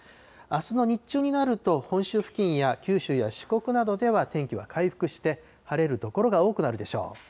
あすの日中になると、本州付近や九州や四国などでは天気は回復して、晴れる所が多くなるでしょう。